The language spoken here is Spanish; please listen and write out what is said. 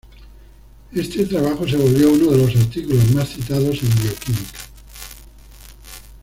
Este trabajo se volvió uno de los artículos más citados en bioquímica.